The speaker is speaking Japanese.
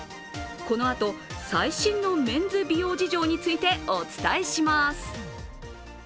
このあと最新のメンズ美容事情についてお伝えします。